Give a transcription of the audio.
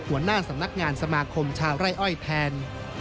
หัวหน้าสำนักงานสมาคมชาวไร่อ้อยแทน